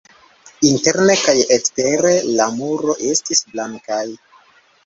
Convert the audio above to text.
Interne kaj ekstere la muroj estis blankaj.